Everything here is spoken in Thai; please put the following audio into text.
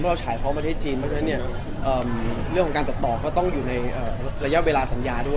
เพราะฉะนั้นเรื่องของการตรับต่อก็ต้องอยู่ในระยะเวลาสัญญาด้วย